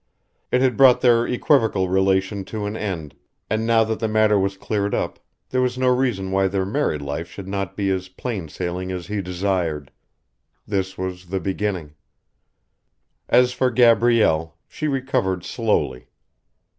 It had brought their equivocal relation to an end, and now that the matter was cleared up there was no reason why their married life should not be as plain sailing as he desired. This was the beginning. As for Gabrielle, she recovered slowly.